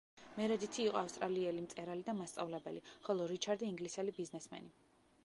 მერედითი იყო ავსტრალიელი მწერალი და მასწავლებელი, ხოლო რიჩარდი ინგლისელი ბიზნესმენი.